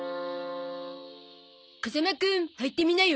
風間くん履いてみなよ。